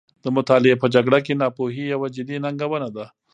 د مطالعې په جګړه کې، ناپوهي یوه جدي ننګونه ده.